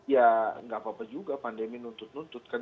ya nggak apa apa juga pandemi nutut nutut